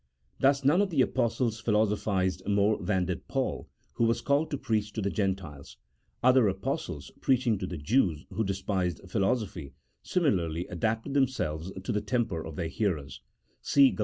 Thus none of the Apostles philosophized more than did Paul, who was called to preach to the Gentiles; other Apostles preaching to the Jews, who despised philosophy, similarly adapted themselves to the temper of their hearers (see G al.